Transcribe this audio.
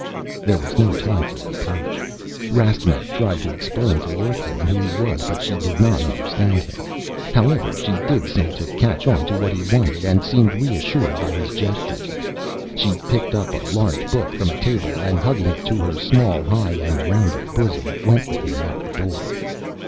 There was no time for reproach. Rastignac tried to explain to the Earthwoman who he was, but she did not understand him. However, she did seem to catch on to what he wanted and seemed reassured by his gestures. She picked up a large book from a table and, hugging it to her small, high and rounded bosom, went with him out the door.